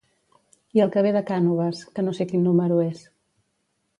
I el que ve de Cànoves, que no sé quin número és